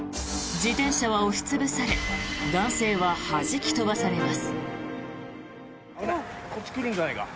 自転車は押し潰され男性ははじき飛ばされます。